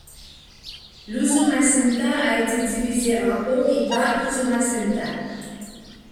L'Usumacinta a été divisé en Haut et Bas Usumacinta.